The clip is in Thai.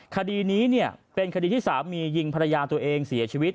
คดีนี้เป็นคดีที่สามียิงภรรยาตัวเองเสียชีวิต